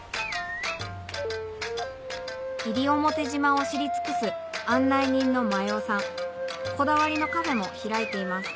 西表島を知り尽くす案内人の前大さんこだわりのカフェも開いています